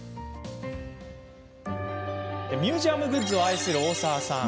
ミュージアムグッズを愛する大澤さん。